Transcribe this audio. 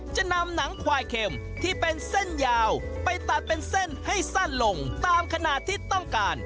จะนำหนังควายเข็มที่เป็นเส้นยาวไปตัดเป็นเส้นให้สั้นลงตามขนาดที่ต้องการ